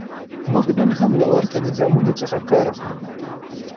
موږ نن هم له ورته نظامونو څخه کار اخلو.